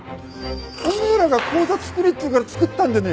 お前らが口座作れっていうから作ったんでねえかよ。